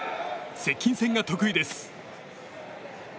接近戦が得意です。